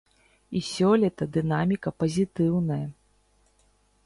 І сёлета дынаміка пазітыўная.